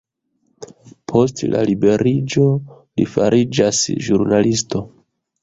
Post la liberiĝo li fariĝas ĵurnalisto.